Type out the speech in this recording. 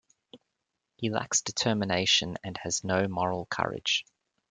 He lacks determination and has no moral courage.